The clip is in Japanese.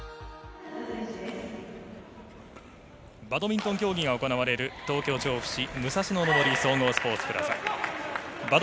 バドミントン競技が行われる東京調布市武蔵野の森総合スポーツプラザ。